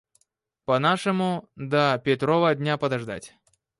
По нашему до Петрова дня подождать.